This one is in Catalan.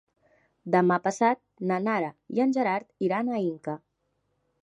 Demà passat na Nara i en Gerard iran a Inca.